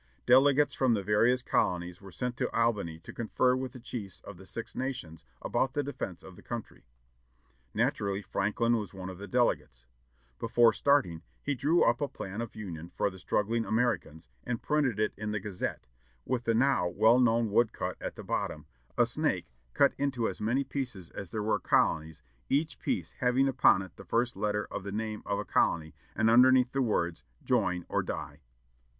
Delegates from the various colonies were sent to Albany to confer with the chiefs of the Six Nations about the defence of the country. Naturally, Franklin was one of the delegates. Before starting, he drew up a plan of union for the struggling Americans, and printed it in the Gazette, with the now well known wood cut at the bottom; a snake cut into as many pieces as there were colonies, each piece having upon it the first letter of the name of a colony, and underneath the words, "JOIN or DIE."